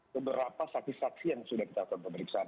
beberapa saksi saksi yang sudah kita lakukan pemeriksaan